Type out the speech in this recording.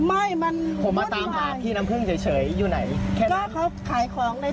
ไม่มันผมมาตามหาพี่น้ำคึ้งเฉยเฉยอยู่ไหนแค่นั้นก็เขาขายของในตลาดแล้วเขาไม่อยู่แล้ว